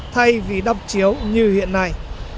thay vì đọc chiếu như hiện nay